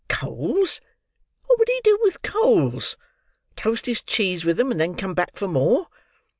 Coals! What would he do with coals? Toast his cheese with 'em and then come back for more.